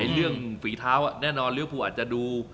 เรื่องฝีเท้านิ้วพูอาจดู